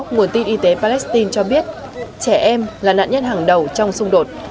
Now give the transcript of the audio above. nguồn tin y tế palestine cho biết trẻ em là nạn nhân hàng đầu trong xung đột